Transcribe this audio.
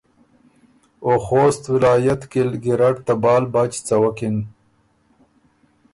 او خوست ولایت کی ګیرډ ته بال بچ څوَکِن۔